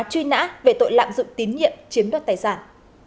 truy nã về tội lạm dụng tín nhiệm chiếm đoạt tài sản